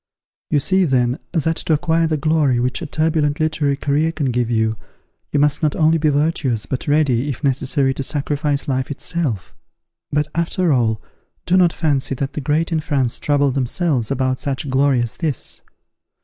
You see, then, that to acquire the glory which a turbulent literary career can give you, you must not only be virtuous, but ready, if necessary, to sacrifice life itself. But, after all, do not fancy that the great in France trouble themselves about such glory as this.